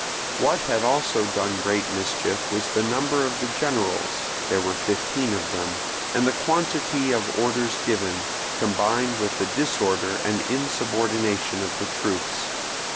What had also done great mischief was the number of the generals (there were fifteen of them) and the quantity of orders given, combined with the disorder and insubordination of the troops.